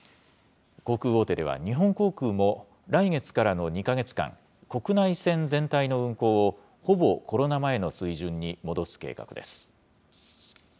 航空大手では日本航空も来月からの２か月間、国内線全体の運航をほぼコロナ前の水準に戻す計画です。